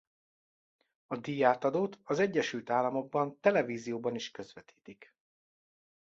A díjátadót az Egyesült Államokban televízióban is közvetítik.